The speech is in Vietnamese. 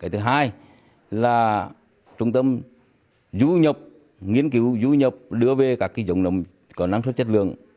cái thứ hai là trung tâm nghiên cứu du nhập đưa về các dòng nấm có năng suất chất lượng